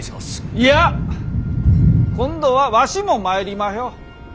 いや今度はわしも参りまひょ。